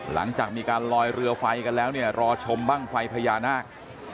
หลังจากมีการลอยเรือไฟกันแล้วเนี่ยรอชมบ้างไฟพญานาค